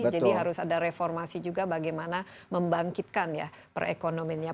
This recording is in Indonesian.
jadi harus ada reformasi juga bagaimana membangkitkan ya perekonomiannya